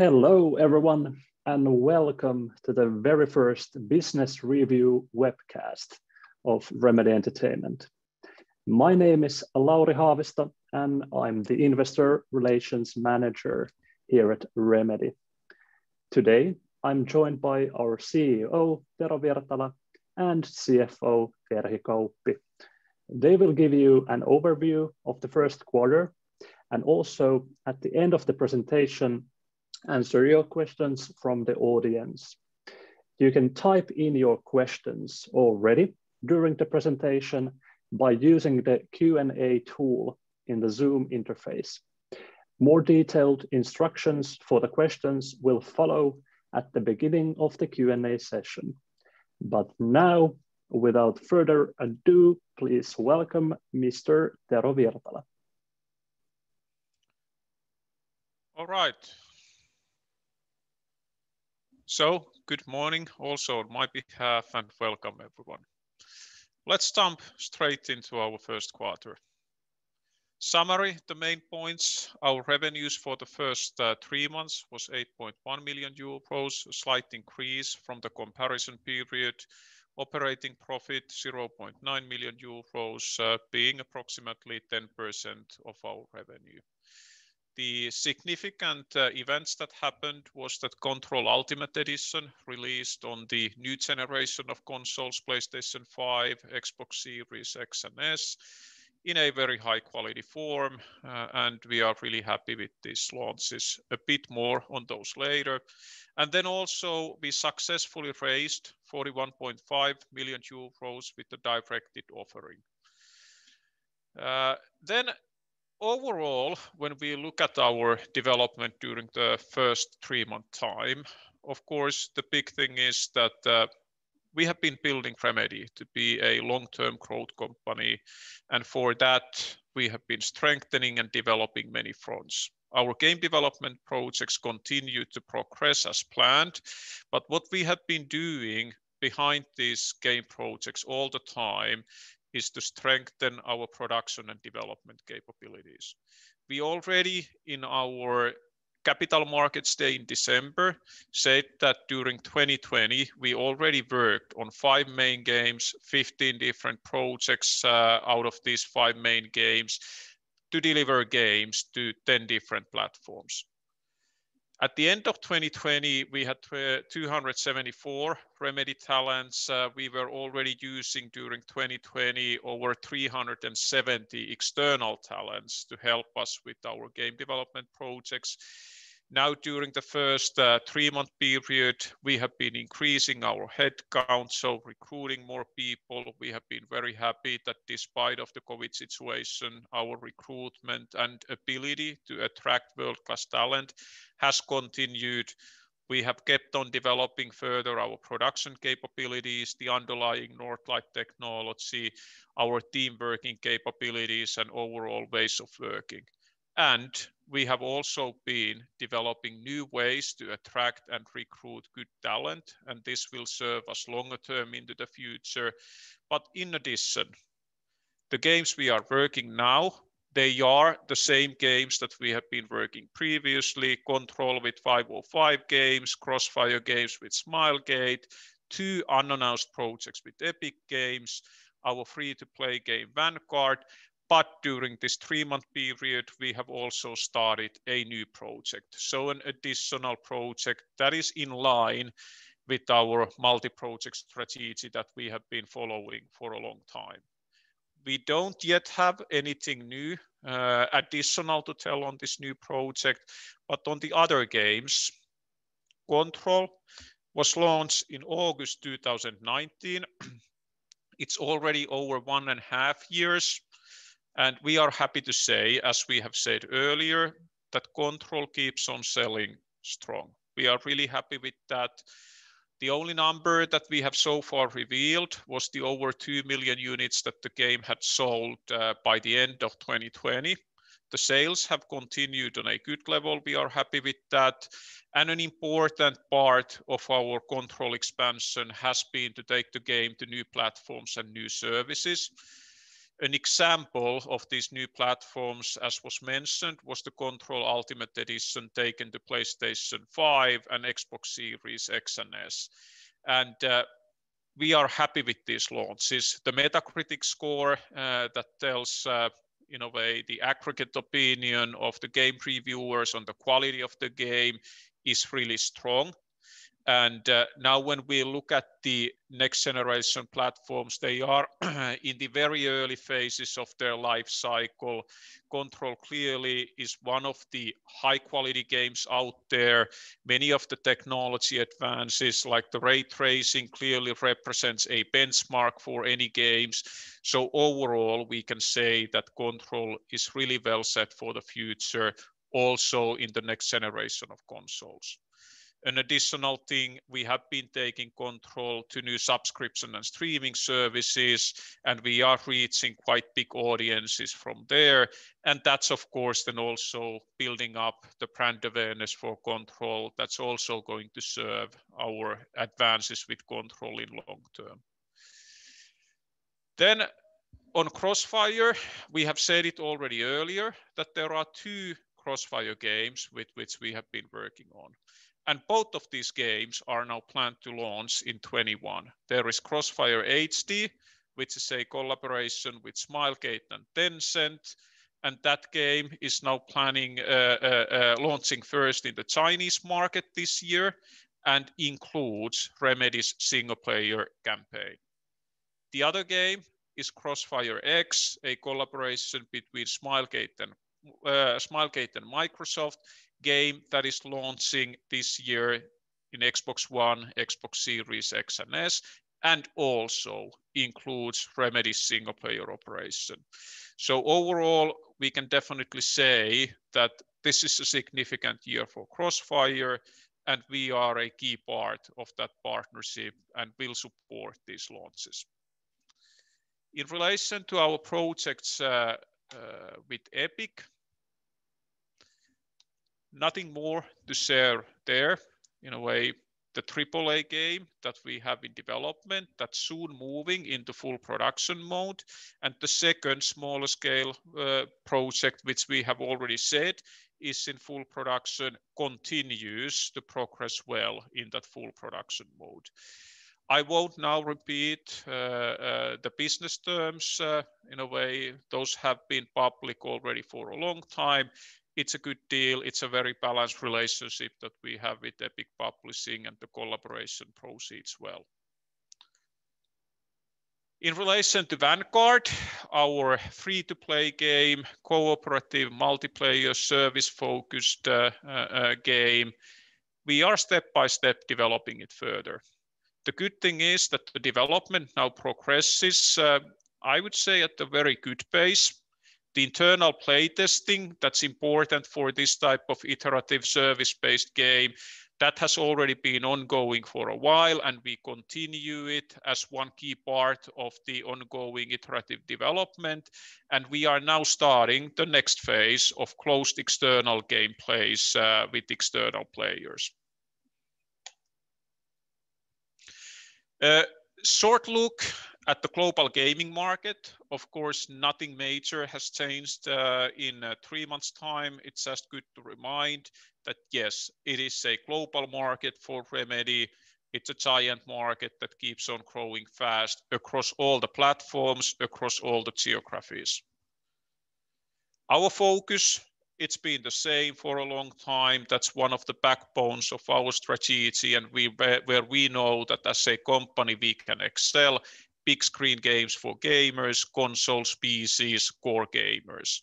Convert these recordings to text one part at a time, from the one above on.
Hello everyone, welcome to the very first business review webcast of Remedy Entertainment. My name is Lauri Haavisto, and I'm the Investor Relations Manager here at Remedy. Today, I'm joined by our CEO, Tero Virtala, and CFO, Terhi Kauppi. They will give you an overview of the first quarter, and also at the end of the presentation, answer your questions from the audience. You can type in your questions already during the presentation by using the Q&A tool in the Zoom interface. More detailed instructions for the questions will follow at the beginning of the Q&A session. Now, without further ado, please welcome Mr. Tero Virtala. All right. Good morning also on my behalf, and welcome everyone. Let's jump straight into our first quarter. Summary, the main points, our revenues for the first three months was 8.1 million euros, a slight increase from the comparison period. Operating profit 0.9 million euros, being approximately 10% of our revenue. The significant events that happened was that Control Ultimate Edition released on the new generation of consoles, PlayStation 5, Xbox Series X and S, in a very high-quality form, and we are really happy with these launches. A bit more on those later. Then also we successfully raised 41.5 million euros with the directed offering. Overall, when we look at our development during the first three-month time, of course, the big thing is that we have been building Remedy to be a long-term growth company, and for that, we have been strengthening and developing many fronts. Our game development projects continue to progress as planned, but what we have been doing behind these game projects all the time is to strengthen our production and development capabilities. We already in our Capital Markets Day in December said that during 2020, we already worked on five main games, 15 different projects out of these five main games to deliver games to 10 different platforms. At the end of 2020, we had 274 Remedy talents. We were already using during 2020 over 370 external talents to help us with our game development projects. During the first three-month period, we have been increasing our headcount, so recruiting more people. We have been very happy that despite of the COVID situation, our recruitment and ability to attract world-class talent has continued. We have kept on developing further our production capabilities, the underlying Northlight technology, our team working capabilities, and overall ways of working. We have also been developing new ways to attract and recruit good talent, and this will serve us longer term into the future. In addition, the games we are working now, they are the same games that we have been working previously, Control with 505 Games, CrossFire games with Smilegate, two unannounced projects with Epic Games, our free-to-play game Vanguard. During this three-month period, we have also started a new project. An additional project that is in line with our multi-project strategy that we have been following for a long time. We don't yet have anything new additional to tell on this new project. On the other games, Control was launched in August 2019. It's already over one and a half years. We are happy to say, as we have said earlier, that Control keeps on selling strong. We are really happy with that. The only number that we have so far revealed was the over 2 million units that the game had sold by the end of 2020. The sales have continued on a good level. We are happy with that. An important part of our Control expansion has been to take the game to new platforms and new services. An example of these new platforms, as was mentioned, was the Control Ultimate Edition taken to PlayStation 5 and Xbox Series X and S. We are happy with these launches. The Metacritic score that tells in a way the aggregate opinion of the game reviewers on the quality of the game is really strong. Now when we look at the next-generation platforms, they are in the very early phases of their life cycle. Control clearly is one of the high-quality games out there. Many of the technology advances, like the ray tracing, clearly represents a benchmark for any games. Overall, we can say that Control is really well set for the future, also in the next generation of consoles. An additional thing, we have been taking Control to new subscription and streaming services, and we are reaching quite big audiences from there. That's, of course, then also building up the brand awareness for Control. That's also going to serve our advances with Control in long-term. On CrossFire, we have said it already earlier that there are two CrossFire games with which we have been working on, and both of these games are now planned to launch in 2021. There is CrossFire HD, which is a collaboration with Smilegate and Tencent, and that game is now planning launching first in the Chinese market this year and includes Remedy's single-player campaign. The other game is CrossfireX, a collaboration between Smilegate and Microsoft, game that is launching this year in Xbox One, Xbox Series X and S, and also includes Remedy's single-player operation. Overall, we can definitely say that this is a significant year for CrossFire, and we are a key part of that partnership and will support these launches. In relation to our projects with Epic, nothing more to share there. In a way, the AAA game that we have in development, that's soon moving into full production mode. The second smaller scale project, which we have already said is in full production, continues to progress well in that full production mode. I won't now repeat the business terms. In a way, those have been public already for a long time. It's a good deal. It's a very balanced relationship that we have with Epic Publishing, and the collaboration proceeds well. In relation to Vanguard, our free-to-play game, cooperative multiplayer service-focused game, we are step by step developing it further. The good thing is that the development now progresses, I would say at a very good pace. The internal play testing that's important for this type of iterative service-based game, that has already been ongoing for a while, and we continue it as one key part of the ongoing iterative development, and we are now starting the next phase of closed external game plays with external players. A short look at the global gaming market. Of course, nothing major has changed in three months time. It's just good to remind that, yes, it is a global market for Remedy Entertainment. It's a giant market that keeps on growing fast across all the platforms, across all the geographies. Our focus, it's been the same for a long time. That's one of the backbones of our strategy, and where we know that as a company, we can excel big screen games for gamers, consoles, PCs, core gamers.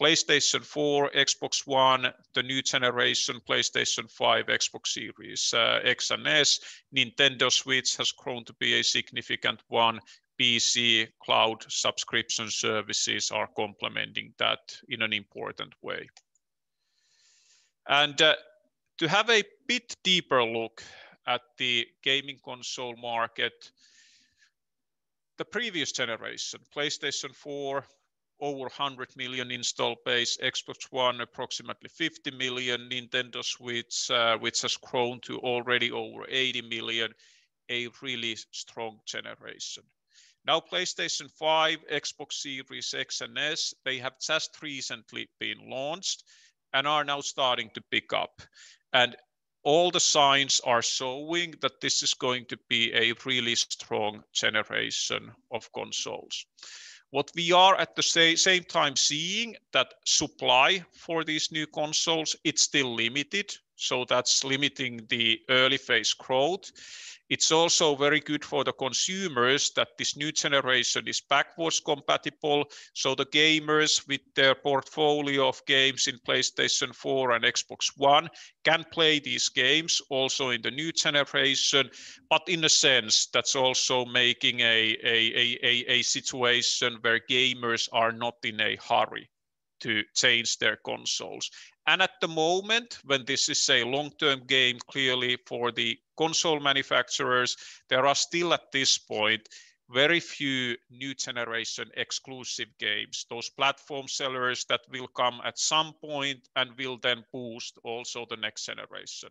PlayStation 4, Xbox One, the new generation, PlayStation 5, Xbox Series X and S, Nintendo Switch has grown to be a significant one. PC, cloud subscription services are complementing that in an important way. To have a bit deeper look at the gaming console market, the previous generation, PlayStation 4, over 100 million install base, Xbox One approximately 50 million, Nintendo Switch which has grown to already over 80 million, a really strong generation. PlayStation 5, Xbox Series X and S, they have just recently been launched and are now starting to pick up, and all the signs are showing that this is going to be a really strong generation of consoles. What we are at the same time seeing that supply for these new consoles, it's still limited, so that's limiting the early phase growth. It's also very good for the consumers that this new generation is backwards compatible, so the gamers with their portfolio of games in PlayStation 4 and Xbox One can play these games also in the new generation. In a sense, that's also making a situation where gamers are not in a hurry to change their consoles. At the moment, when this is a long-term game, clearly for the console manufacturers, there are still at this point, very few new generation exclusive games. Those platform sellers that will come at some point and will then boost also the next generation.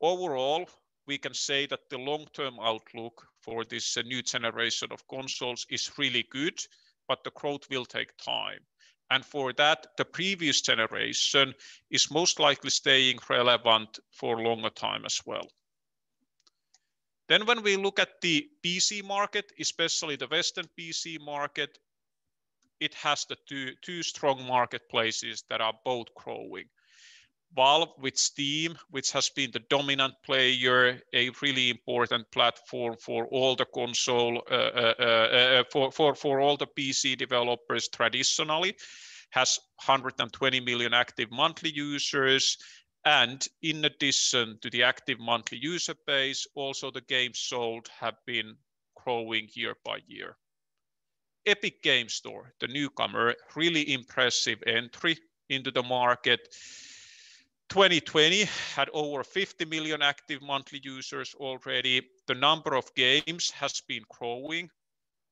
Overall, we can say that the long-term outlook for this new generation of consoles is really good, but the growth will take time, and for that, the previous generation is most likely staying relevant for a longer time as well. When we look at the PC market, especially the Western PC market, it has the two strong marketplaces that are both growing. Valve with Steam, which has been the dominant player, a really important platform for all the PC developers traditionally, has 120 million active monthly users, and in addition to the active monthly user base, also the games sold have been growing year by year. Epic Games Store, the newcomer, really impressive entry into the market. 2020 had over 50 million active monthly users already. The number of games has been growing.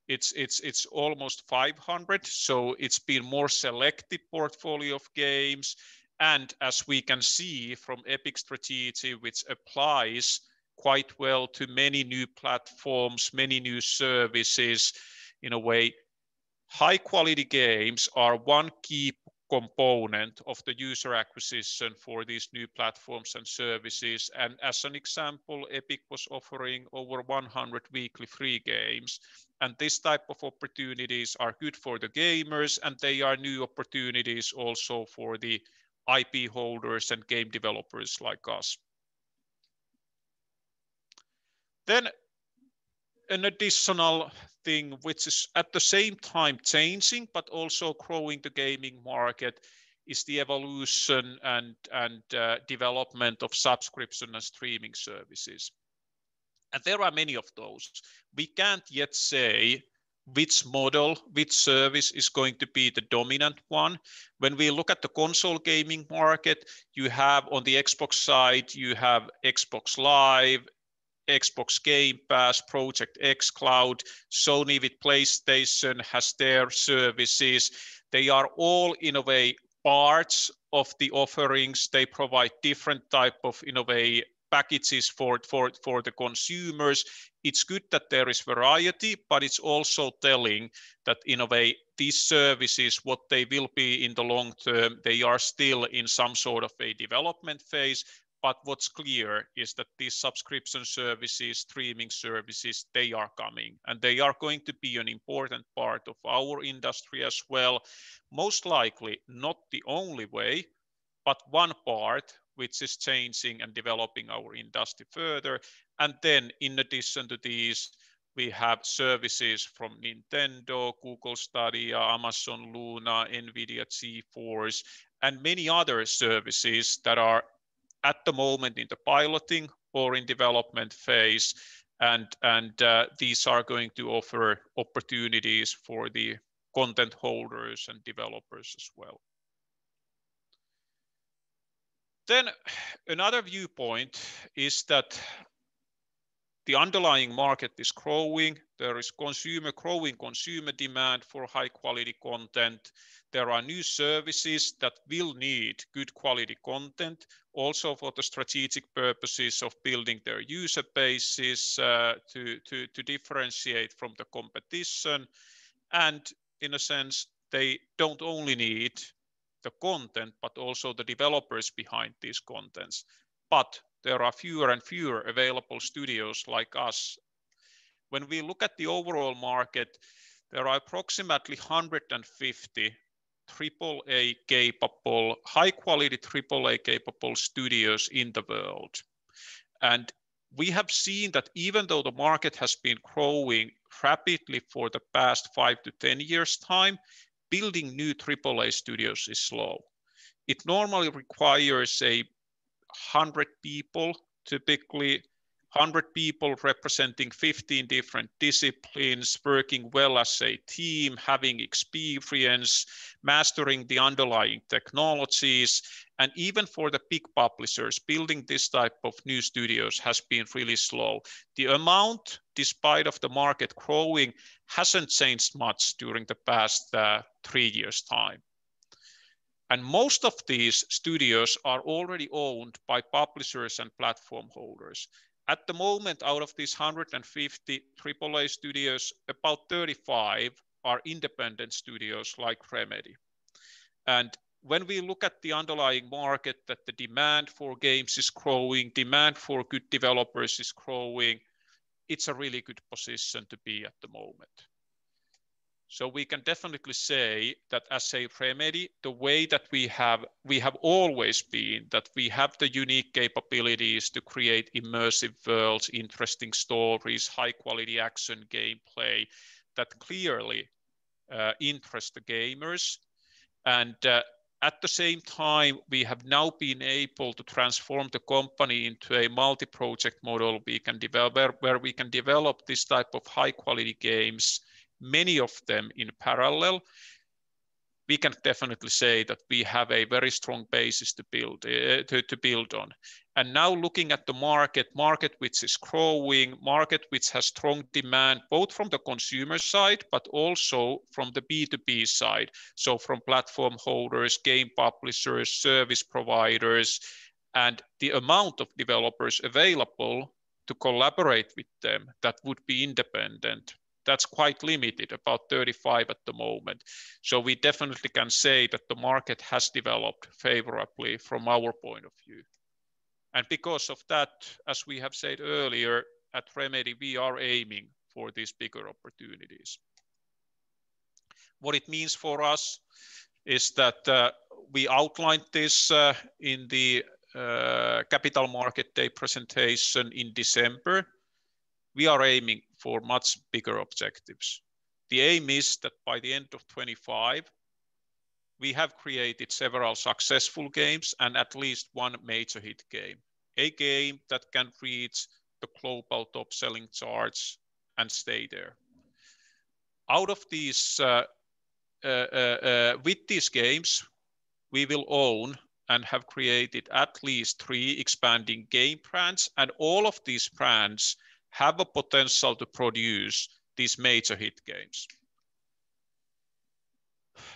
It's almost 500, so it's been more selected portfolio of games, as we can see from Epic strategy, which applies quite well to many new platforms, many new services, in a way, high-quality games are one key component of the user acquisition for these new platforms and services. As an example, Epic was offering over 100 weekly free games, and this type of opportunities are good for the gamers, and they are new opportunities also for the IP holders and game developers like us. An additional thing, which is at the same time changing but also growing the gaming market, is the evolution and development of subscription and streaming services. There are many of those. We can't yet say which model, which service is going to be the dominant one. When we look at the console gaming market, on the Xbox side, you have Xbox network, Xbox Game Pass, Project xCloud, Sony with PlayStation has their services. They are all, in a way, parts of the offerings. They provide different type of packages for the consumers. It's good that there is variety, but it's also telling that these services, what they will be in the long term, they are still in some sort of a development phase. What's clear is that these subscription services, streaming services, they are coming, and they are going to be an important part of our industry as well. Most likely not the only way, but one part which is changing and developing our industry further. In addition to these, we have services from Nintendo, Google Stadia, Amazon Luna, NVIDIA GeForce, and many other services that are at the moment in the piloting or in development phase. These are going to offer opportunities for the content holders and developers as well. Another viewpoint is that the underlying market is growing. There is growing consumer demand for high-quality content. There are new services that will need good quality content, also for the strategic purposes of building their user bases to differentiate from the competition. In a sense, they don't only need the content, but also the developers behind these contents. There are fewer and fewer available studios like us. When we look at the overall market, there are approximately 150 high-quality AAA capable studios in the world. We have seen that even though the market has been growing rapidly for the past 5-10 years' time, building new AAA studios is slow. It normally requires 100 people, typically 100 people representing 15 different disciplines, working well as a team, having experience, mastering the underlying technologies. Even for the big publishers, building this type of new studios has been really slow. The amount, despite of the market growing, hasn't changed much during the past three years' time. Most of these studios are already owned by publishers and platform holders. At the moment, out of these 150 AAA studios, about 35 are independent studios like Remedy. When we look at the underlying market, that the demand for games is growing, demand for good developers is growing, it's a really good position to be at the moment. We can definitely say that as Remedy, the way that we have always been, that we have the unique capabilities to create immersive worlds, interesting stories, high-quality action gameplay that clearly interest the gamers. At the same time, we have now been able to transform the company into a multi-project model where we can develop this type of high-quality games, many of them in parallel. We can definitely say that we have a very strong basis to build on. Now looking at the market which is growing, market which has strong demand, both from the consumer side, but also from the B2B side, so from platform holders, game publishers, service providers, and the amount of developers available to collaborate with them that would be independent, that's quite limited, about 35 at the moment. We definitely can say that the market has developed favorably from our point of view. Because of that, as we have said earlier, at Remedy, we are aiming for these bigger opportunities. What it means for us is that, we outlined this in the Capital Markets Day presentation in December. We are aiming for much bigger objectives. The aim is that by the end of 2025, we have created several successful games and at least one major hit game, a game that can reach the global top-selling charts and stay there. With these games, we will own and have created at least three expanding game brands, and all of these brands have a potential to produce these major hit games.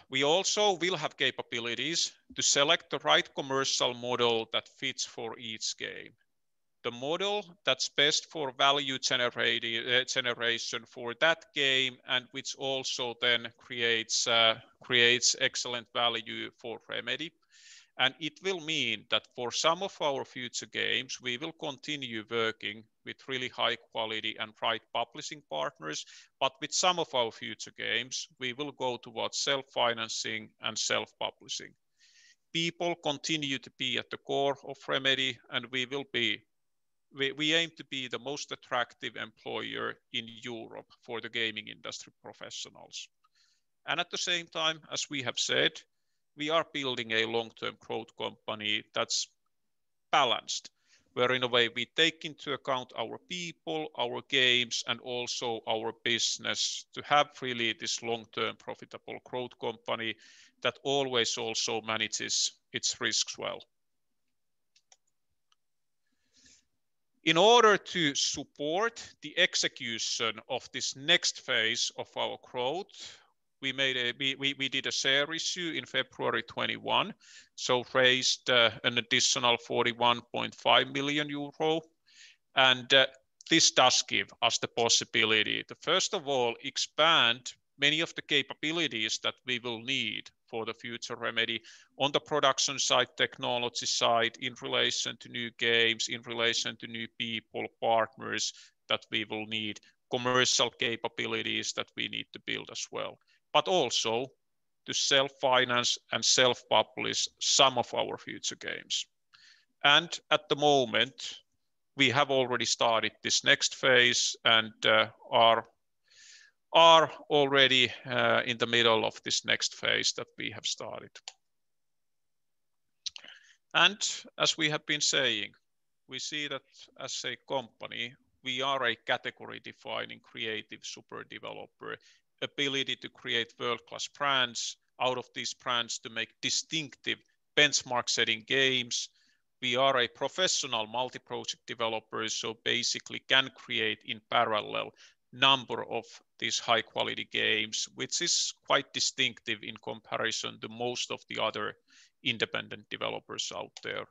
We also will have capabilities to select the right commercial model that fits for each game. The model that's best for value generation for that game, and which also then creates excellent value for Remedy. It will mean that for some of our future games, we will continue working with really high quality and right publishing partners. With some of our future games, we will go towards self-financing and self-publishing. People continue to be at the core of Remedy, and we aim to be the most attractive employer in Europe for the gaming industry professionals. At the same time, as we have said, we are building a long-term growth company that's balanced, where in a way, we take into account our people, our games, and also our business to have really this long-term profitable growth company that always also manages its risks well. In order to support the execution of this next phase of our growth, we did a share issue in February 2021, raised an additional 41.5 million euro. This does give us the possibility to, first of all, expand many of the capabilities that we will need for the future Remedy on the production side, technology side, in relation to new games, in relation to new people, partners that we will need, commercial capabilities that we need to build as well, but also to self-finance and self-publish some of our future games. At the moment, we have already started this next phase and are already in the middle of this next phase that we have started. As we have been saying, we see that as a company, we are a category-defining creative super developer, ability to create world-class brands, out of these brands to make distinctive benchmark-setting games. We are a professional multi-project developer, so basically can create in parallel number of these high-quality games, which is quite distinctive in comparison to most of the other independent developers out there.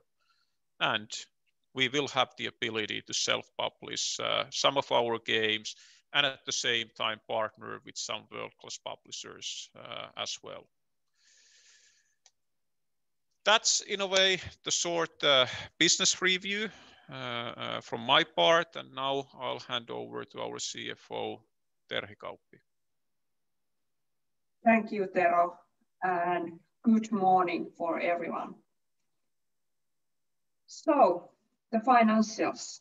We will have the ability to self-publish some of our games, and at the same time partner with some world-class publishers as well. That's in a way the short business review from my part. Now I'll hand over to our CFO, Terhi Kauppi. Thank you, Tero. Good morning for everyone. The financials.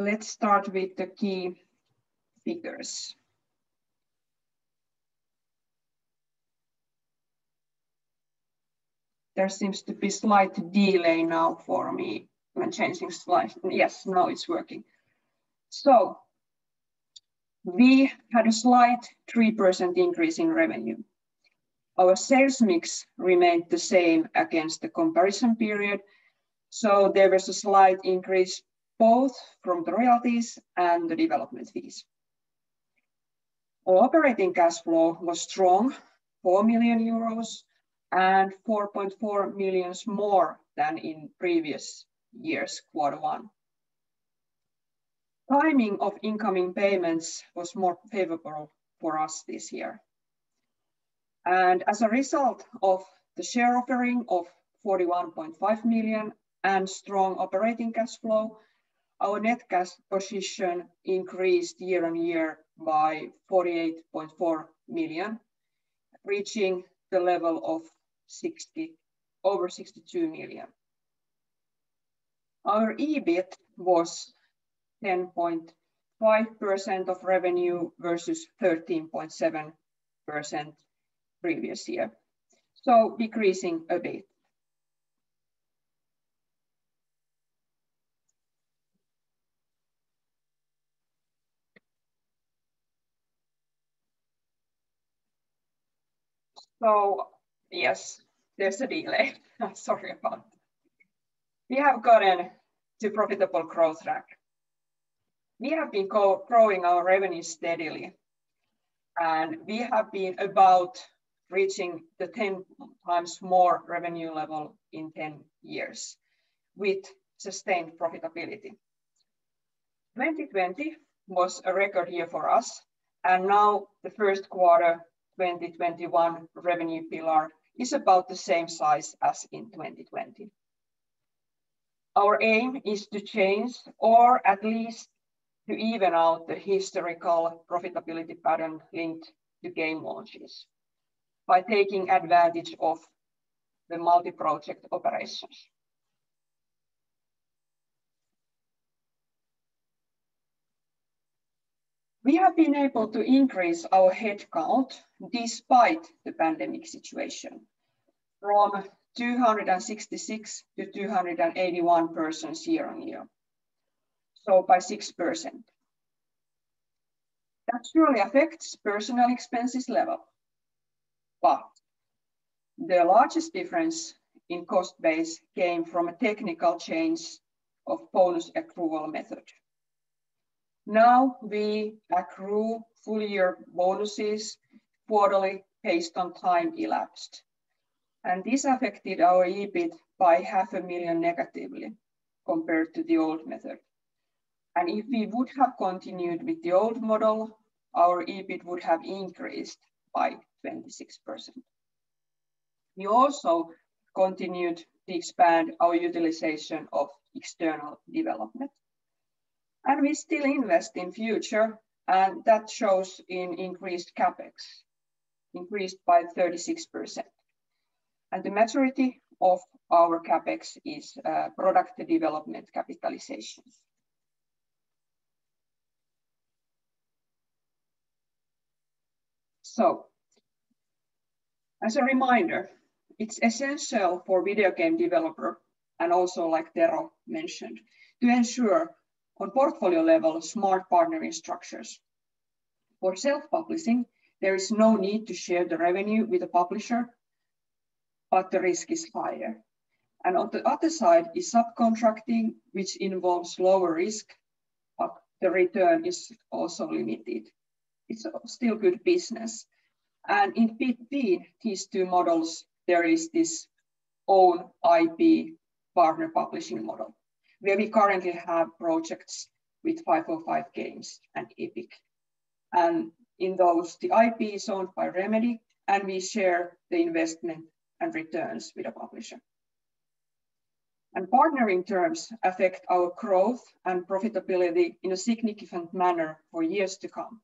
Let's start with the key figures. There seems to be slight delay now for me when changing slide. Yes, now it's working. We had a slight 3% increase in revenue. Our sales mix remained the same against the comparison period, so there was a slight increase both from the royalties and the development fees. Our operating cash flow was strong, 4 million euros and 4.4 million more than in previous years, quarter one. Timing of incoming payments was more favorable for us this year. As a result of the share offering of 41.5 million and strong operating cash flow, our net cash position increased year on year by 48.4 million, reaching the level of over 62 million. Our EBIT was 10.5% of revenue versus 13.7% previous year. Decreasing a bit. Yes, there's a delay. Sorry about that. We have gotten to profitable growth track. We have been growing our revenue steadily, and we have been about reaching the 10 times more revenue level in 10 years with sustained profitability. 2020 was a record year for us, and now the first quarter 2021 revenue pillar is about the same size as in 2020. Our aim is to change or at least to even out the historical profitability pattern linked to game launches by taking advantage of the multi-project operations. We have been able to increase our headcount despite the pandemic situation from 266-281 persons year-on-year, so by 6%. That surely affects personnel expenses level. The largest difference in cost base came from a technical change of bonus accrual method. We accrue full year bonuses quarterly based on time elapsed, this affected our EBIT by EUR half a million negatively compared to the old method. If we would have continued with the old model, our EBIT would have increased by 26%. We also continued to expand our utilization of external development, we still invest in future, and that shows in increased CapEx, increased by 36%. The majority of our CapEx is product development capitalization. As a reminder, it's essential for video game developer, and also like Tero mentioned, to ensure on portfolio level smart partnering structures. For self-publishing, there is no need to share the revenue with the publisher, but the risk is higher. On the other side is subcontracting, which involves lower risk, but the return is also limited. It's still good business. In between these two models, there is this own IP partner publishing model, where we currently have projects with 505 Games and Epic. In those, the IP is owned by Remedy, and we share the investment and returns with the publisher. Partnering terms affect our growth and profitability in a significant manner for years to come.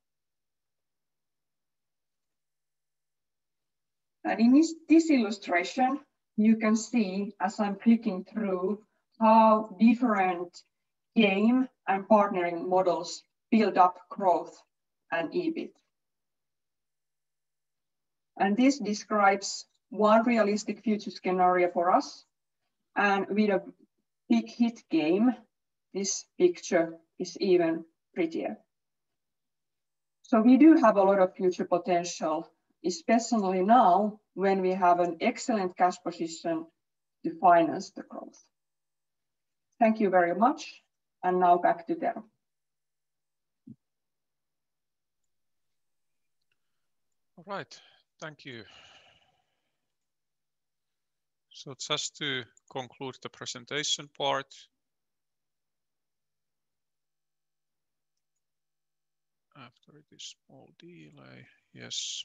In this illustration, you can see as I'm clicking through how different game and partnering models build up growth and EBIT. This describes one realistic future scenario for us, and with a big hit game, this picture is even prettier. We do have a lot of future potential, especially now when we have an excellent cash position to finance the growth. Thank you very much. Now back to Tero. All right. Thank you. Just to conclude the presentation part. After this small delay. Yes.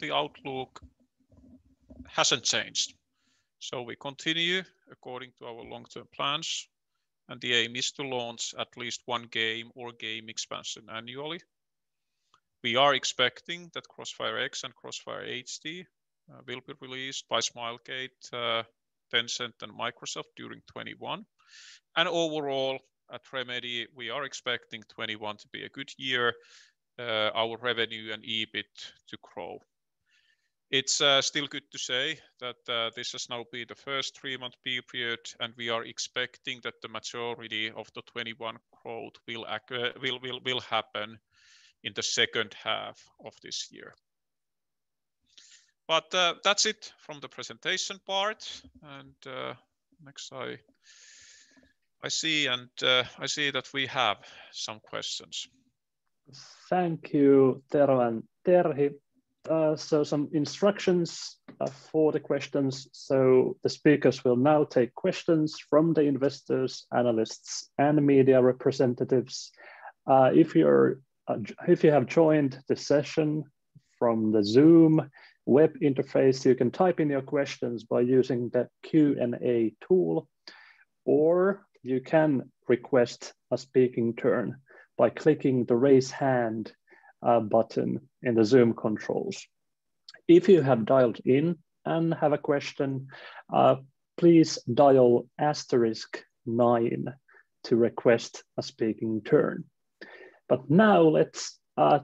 The outlook hasn't changed. We continue according to our long-term plans, and the aim is to launch at least one game or game expansion annually. We are expecting that CrossfireX and CrossFire HD will be released by Smilegate, Tencent, and Microsoft during 2021. Overall, at Remedy, we are expecting 2021 to be a good year, our revenue and EBIT to grow. It's still good to say that this has now been the first three-month period, and we are expecting that the majority of the 2021 growth will happen in the second half of this year. That's it from the presentation part, and next I see that we have some questions. Thank you, Tero and Terhi. Some instructions for the questions. The speakers will now take questions from the investors, analysts, and media representatives. If you have joined the session from the Zoom web interface, you can type in your questions by using the Q&A tool, or you can request a speaking turn by clicking the Raise Hand button in the Zoom controls. If you have dialed in and have a question, please dial asterisk nine to request a speaking turn. Now let's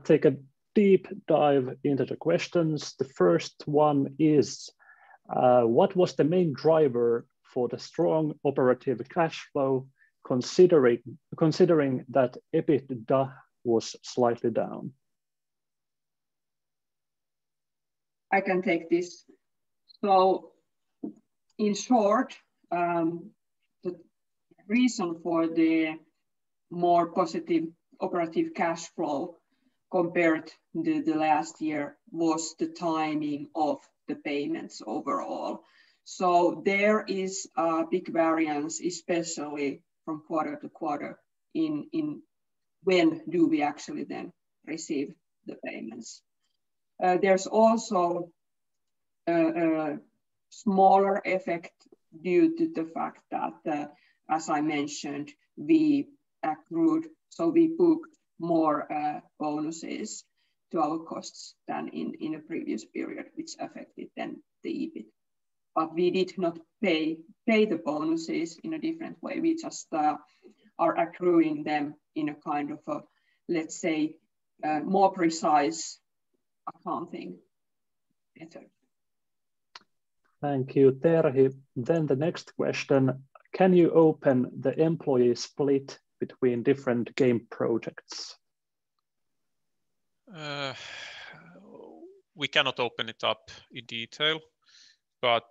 take a deep dive into the questions. The first one is, what was the main driver for the strong operative cash flow considering that EBITDA was slightly down? I can take this. In short, the reason for the more positive operative cash flow compared to the last year was the timing of the payments overall. There is a big variance, especially from quarter-to-quarter in when do we actually then receive the payments. There is also a smaller effect due to the fact that, as I mentioned, we booked more bonuses to our costs than in a previous period, which affected then the EBIT. We did not pay the bonuses in a different way. We just are accruing them in a kind of, let's say, more precise accounting method. Thank you, Terhi. The next question, can you open the employee split between different game projects? We cannot open it up in detail, but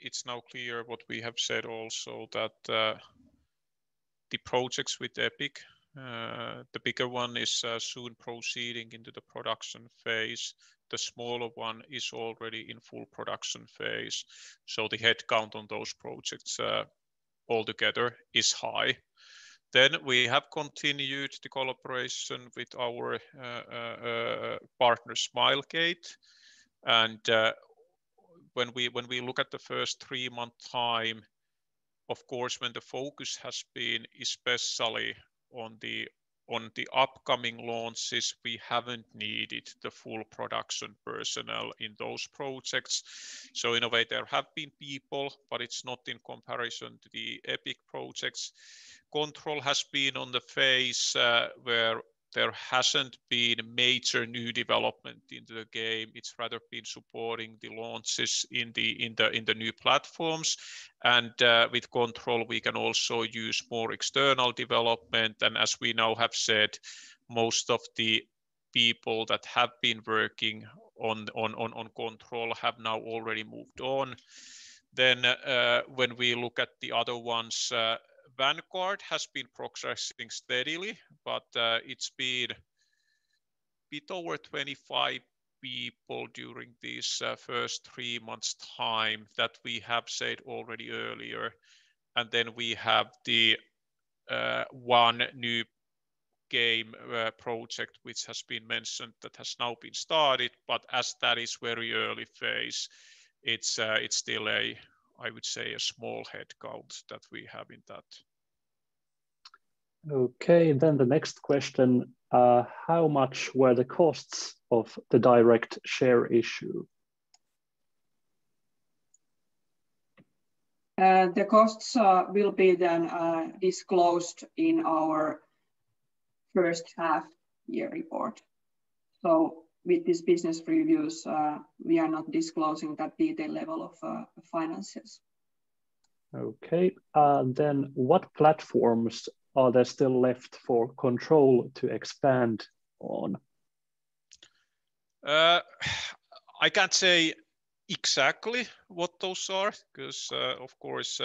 it's now clear what we have said also that the projects with Epic, the bigger one is soon proceeding into the production phase. The smaller one is already in full production phase, the headcount on those projects altogether is high. We have continued the collaboration with our partner, Smilegate. When we look at the first three-month time, of course, when the focus has been especially on the upcoming launches, we haven't needed the full production personnel in those projects. In a way, there have been people, but it's not in comparison to the Epic projects. Control has been on the phase where there hasn't been major new development into the game. It's rather been supporting the launches in the new platforms. With Control, we can also use more external development. As we now have said, most of the people that have been working on Control have now already moved on. When we look at the other ones, Vanguard has been progressing steadily, but it's been a bit over 25 people during this first three months time that we have said already earlier. Then we have the one new game project which has been mentioned that has now been started. As that is very early phase, it's still, I would say, a small headcount that we have in that. Okay, the next question. How much were the costs of the direct share issue? The costs will be disclosed in our first half year report. With these business previews, we are not disclosing that detail level of finances. Okay, what platforms are there still left for Control to expand on? I can't say exactly what those are because, of course,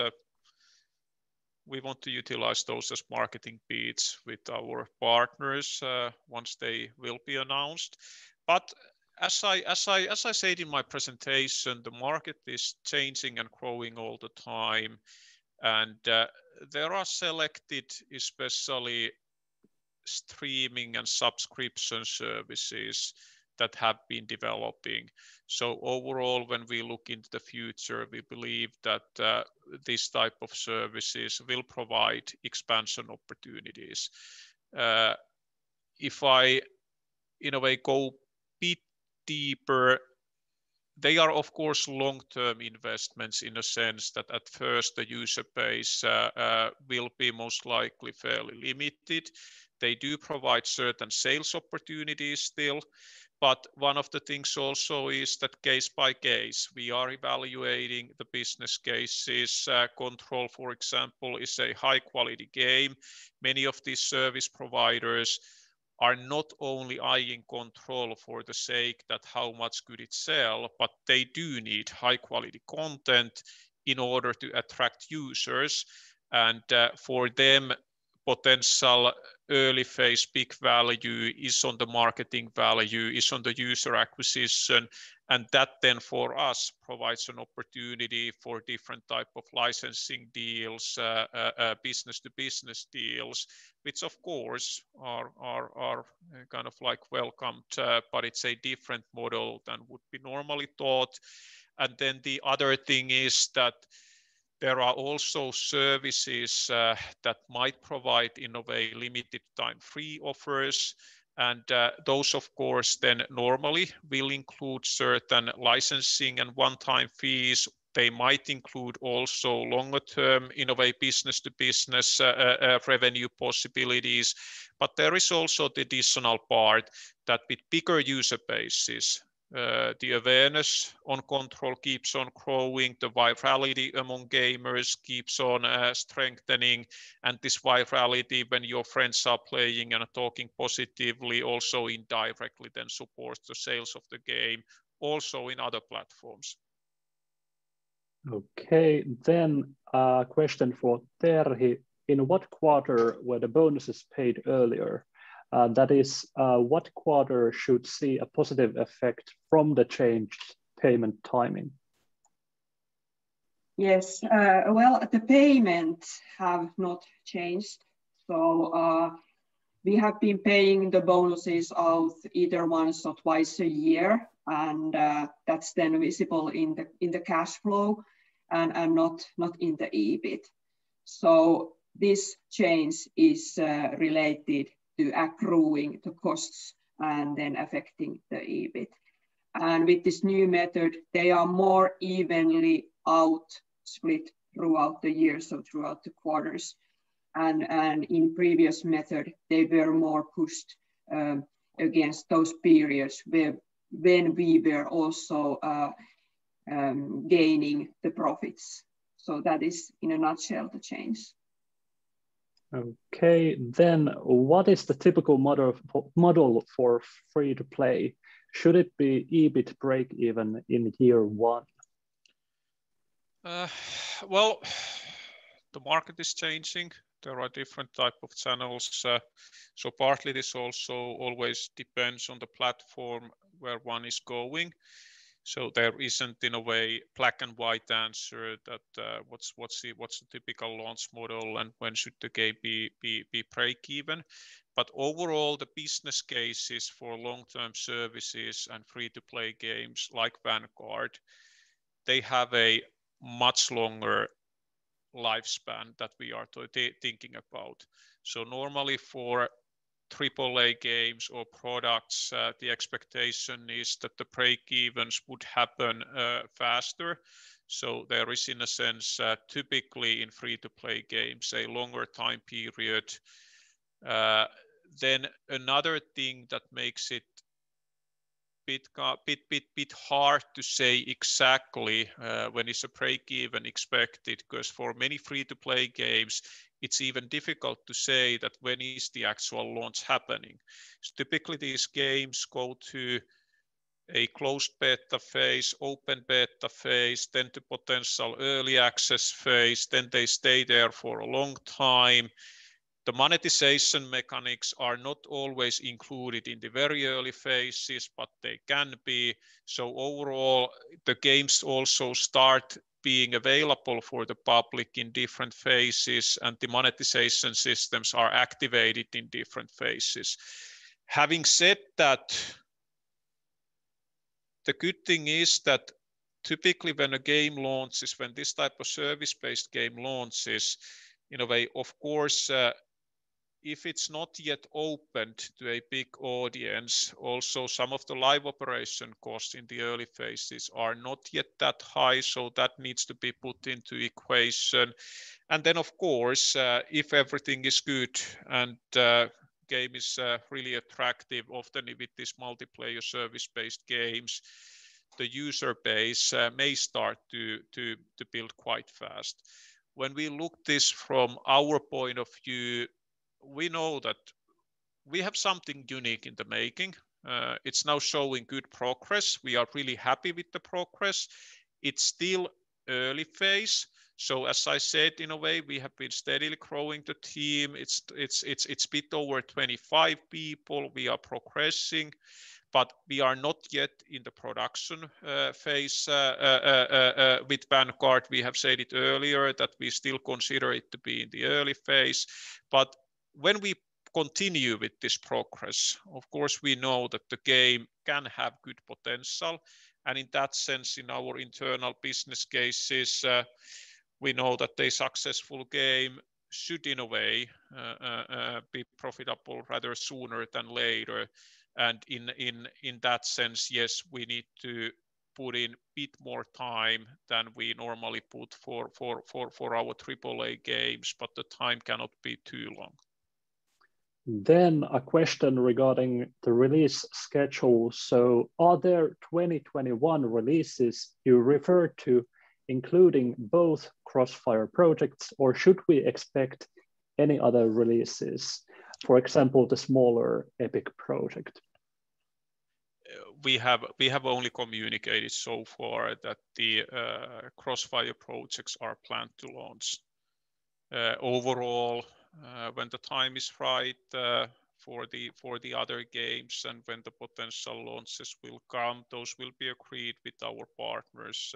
we want to utilize those as marketing beats with our partners once they will be announced. As I said in my presentation, the market is changing and growing all the time, and there are selected, especially streaming and subscription services that have been developing. Overall, when we look into the future, we believe that these type of services will provide expansion opportunities. If I, in a way, go bit deeper, they are of course long-term investments in a sense that at first the user base will be most likely fairly limited. They do provide certain sales opportunities still, but one of the things also is that case by case, we are evaluating the business cases. Control, for example, is a high-quality game. Many of these service providers are not only eyeing Control for the sake that how much could it sell, but they do need high-quality content in order to attract users. For them, potential early phase big value is on the marketing value, is on the user acquisition. That then for us provides an opportunity for different type of licensing deals, business-to-business deals, which of course are kind of welcomed, but it's a different model than would be normally thought. The other thing is that there are also services that might provide, in a way, limited time free offers. Those, of course, then normally will include certain licensing and one-time fees. They might include also longer term, in a way, business-to-business revenue possibilities. There is also the additional part that with bigger user bases, the awareness on Control keeps on growing, the virality among gamers keeps on strengthening, and this virality when your friends are playing and talking positively also indirectly then supports the sales of the game also in other platforms. Okay, a question for Terhi. In what quarter were the bonuses paid earlier? That is, what quarter should see a positive effect from the changed payment timing? Yes. Well, the payments have not changed. We have been paying the bonuses of either once or twice a year, and that's then visible in the cash flow and not in the EBIT. This change is related to accruing the costs and then affecting the EBIT. With this new method, they are more evenly out split throughout the year, so throughout the quarters. In previous method, they were more pushed against those periods when we were also gaining the profits. That is, in a nutshell, the change. Okay. What is the typical model for free-to-play? Should it be EBIT breakeven in year one? Well, the market is changing. There are different type of channels. Partly, this also always depends on the platform where one is going. There isn't, in a way, black and white answer that what's the typical launch model and when should the game be breakeven? Overall, the business cases for long-term services and free-to-play games like Vanguard, they have a much longer lifespan that we are thinking about. Normally for AAA games or products, the expectation is that the breakevens would happen faster. There is, in a sense, typically in free-to-play games, a longer time period. Another thing that makes it bit hard to say exactly when is a breakeven expected, because for many free-to-play games, it's even difficult to say that when is the actual launch happening. Typically, these games go to a closed beta phase, open beta phase, then to potential early access phase, then they stay there for a long time. The monetization mechanics are not always included in the very early phases, but they can be. Overall, the games also start being available for the public in different phases, and the monetization systems are activated in different phases. Having said that, the good thing is that typically when a game launches, when this type of service-based game launches, in a way, of course, if it's not yet opened to a big audience, also some of the live operation costs in the early phases are not yet that high, so that needs to be put into equation. Then, of course, if everything is good and game is really attractive, often with these multiplayer service-based games, the user base may start to build quite fast. When we look this from our point of view, we know that we have something unique in the making. It's now showing good progress. We are really happy with the progress. It's still early phase, so as I said, in a way, we have been steadily growing the team. It's bit over 25 people. We are progressing, but we are not yet in the production phase with Vanguard. We have said it earlier that we still consider it to be in the early phase. When we continue with this progress, of course, we know that the game can have good potential. In that sense, in our internal business cases, we know that a successful game should, in a way, be profitable rather sooner than later. In that sense, yes, we need to put in bit more time than we normally put for our AAA games, but the time cannot be too long. A question regarding the release schedule. Are the 2021 releases you referred to including both CrossFire projects, or should we expect any other releases, for example, the smaller Epic project? We have only communicated so far that the CrossFire projects are planned to launch. Overall, when the time is right for the other games and when the potential launches will come, those will be agreed with our partners.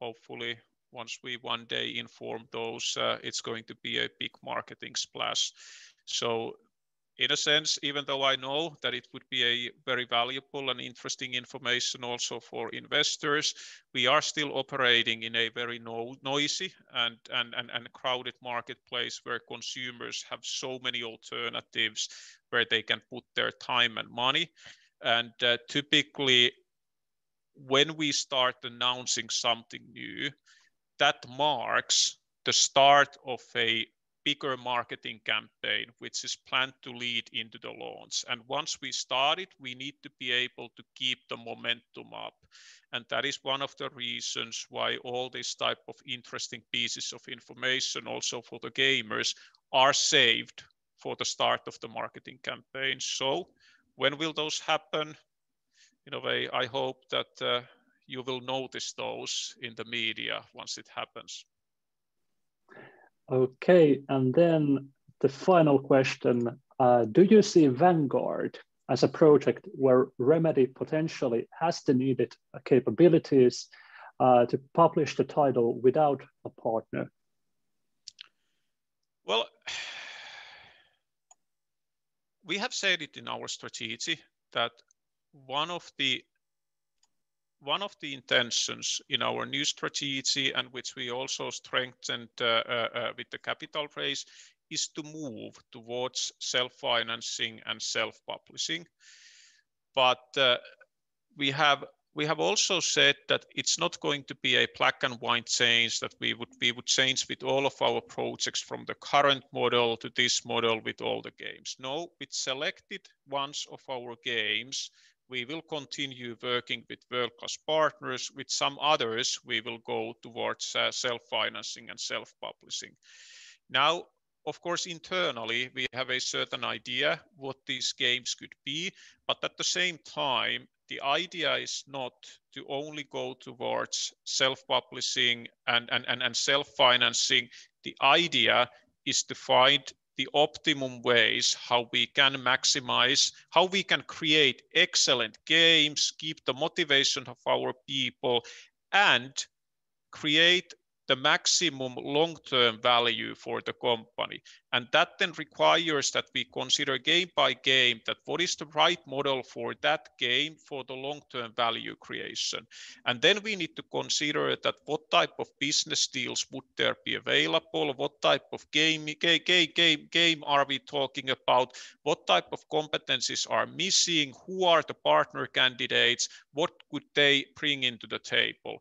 Hopefully, once we one day inform those, it's going to be a big marketing splash. In a sense, even though I know that it would be a very valuable and interesting information also for investors, we are still operating in a very noisy and crowded marketplace where consumers have so many alternatives where they can put their time and money. Typically, when we start announcing something new, that marks the start of a bigger marketing campaign, which is planned to lead into the launch. Once we start it, we need to be able to keep the momentum up. That is one of the reasons why all this type of interesting pieces of information also for the gamers are saved for the start of the marketing campaign. When will those happen? In a way, I hope that you will notice those in the media once it happens. Okay, the final question. Do you see Vanguard as a project where Remedy potentially has the needed capabilities to publish the title without a partner? We have said it in our strategy that one of the intentions in our new strategy, and which we also strengthened with the capital raise, is to move towards self-financing and self-publishing. We have also said that it's not going to be a black and white change, that we would change with all of our projects from the current model to this model with all the games. With selected ones of our games, we will continue working with world-class partners. With some others, we will go towards self-financing and self-publishing. Of course, internally, we have a certain idea what these games could be. At the same time, the idea is not to only go towards self-publishing and self-financing. The idea is to find the optimum ways how we can maximize, how we can create excellent games, keep the motivation of our people, and create the maximum long-term value for the company. That then requires that we consider game by game that what is the right model for that game for the long-term value creation. Then we need to consider that what type of business deals would there be available, what type of game are we talking about, what type of competencies are missing, who are the partner candidates, what could they bring into the table?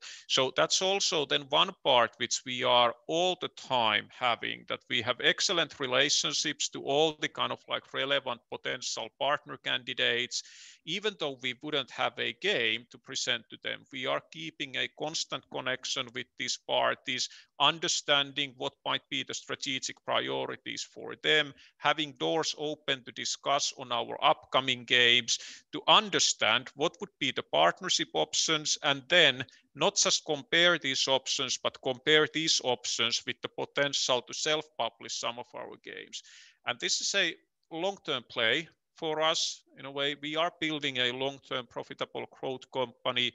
That's also then one part which we are all the time having, that we have excellent relationships to all the kind of relevant potential partner candidates. Even though we wouldn't have a game to present to them, we are keeping a constant connection with these parties, understanding what might be the strategic priorities for them, having doors open to discuss on our upcoming games, to understand what would be the partnership options, and then not just compare these options, but compare these options with the potential to self-publish some of our games. This is a long-term play for us in a way. We are building a long-term profitable growth company.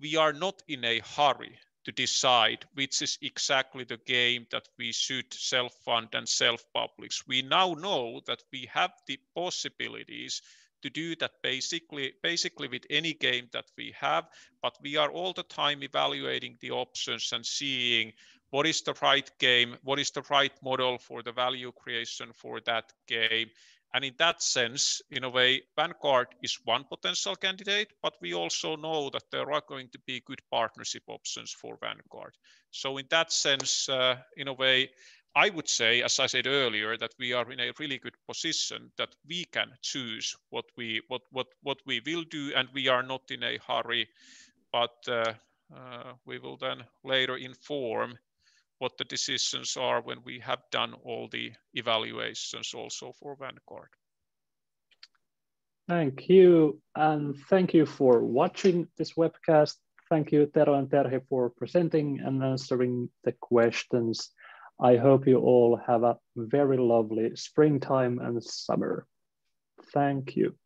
We are not in a hurry to decide which is exactly the game that we should self-fund and self-publish. We now know that we have the possibilities to do that basically with any game that we have, but we are all the time evaluating the options and seeing what is the right game, what is the right model for the value creation for that game. In that sense, in a way, Vanguard is one potential candidate, but we also know that there are going to be good partnership options for Vanguard. In that sense, in a way, I would say, as I said earlier, that we are in a really good position that we can choose what we will do, and we are not in a hurry. We will then later inform what the decisions are when we have done all the evaluations also for Vanguard. Thank you, and thank you for watching this webcast. Thank you, Tero and Terhi, for presenting and answering the questions. I hope you all have a very lovely springtime and summer. Thank you.